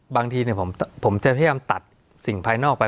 บางทีผมจะพยายามตัดสิ่งภายนอกไป